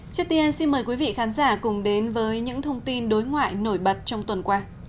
trước tiên xin mời quý vị khán giả cùng đến với những thông tin đối ngoại nổi bật trong tuần qua